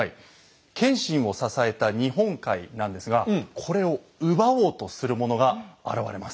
謙信を支えた日本海なんですがこれを奪おうとする者が現れます。